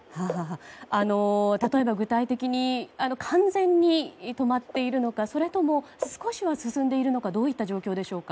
例えば具体的に完全に止まっているのかそれとも、少しは進んでいるのかどういった状況でしょうか？